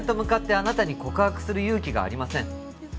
あなたに告白する勇気がありません